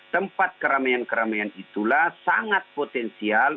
tempat keramaian keramaian itulah sangat potensial